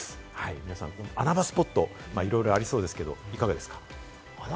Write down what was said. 皆さん、穴場スポット、いろいろありそうですけれども、いかがですか？